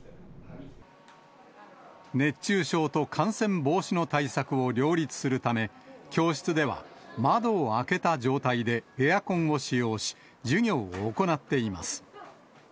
熱中症と感染防止の対策を両立するため、教室では、窓を開けた状態でエアコンを使用し、授業を行っています。